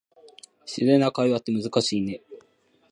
自然な会話って難しいね